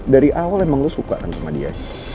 dari awal emang lu suka kan sama dia